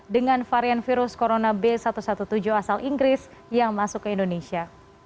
dengan varian virus corona b satu satu tujuh asal inggris yang masuk ke indonesia